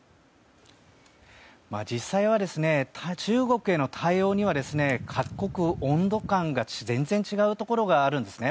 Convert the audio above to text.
実際は中国への対応には各国、温度感が全然違うところがあるんですね。